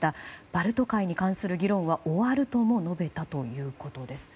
バルト海に関する議論は終わるとも述べたということです。